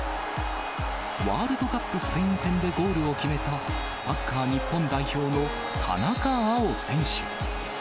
ワールドカップスペイン戦でゴールを決めた、サッカー日本代表の田中碧選手。